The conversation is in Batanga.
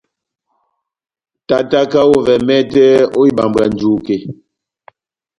Tátáka ovɛ mɛtɛ ó ibambwa njuke.